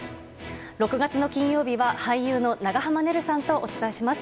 ６月の金曜日は、俳優の長濱ねるさんとお伝えします。